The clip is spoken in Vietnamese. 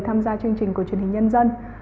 tham gia chương trình của truyền hình nhân dân